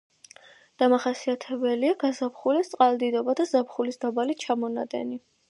დამახასიათებელია გაზაფხულის წყალდიდობა და ზაფხულის დაბალი ჩამონადენი.